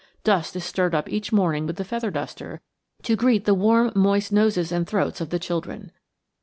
Dust is stirred up each morning with the feather duster to greet the warm, moist noses and throats of the children.